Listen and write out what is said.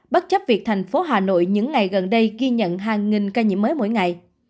bất chấp việc thành phố hà nội những ngày gần đây ghi nhận hàng nghìn ca nhiễm mới mỗi ngày